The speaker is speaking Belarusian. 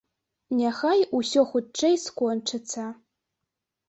Няхай усё хутчэй скончыцца.